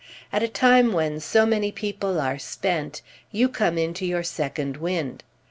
At a time when so many people are spent you come into your second wind.